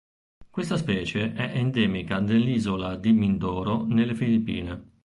Questa specie è endemica dell'isola di Mindoro, nelle Filippine.